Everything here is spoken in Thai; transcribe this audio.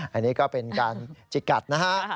อันนี้ก็เป็นการจิกัดนะฮะ